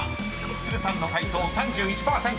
［都留さんの解答３１％。